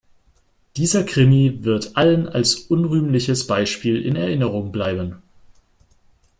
Dieser Krimi wird allen als unrühmliches Beispiel in Erinnerung bleiben.